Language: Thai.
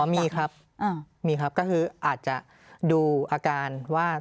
มีครับมีครับก็คืออาจจะดูอาการว่า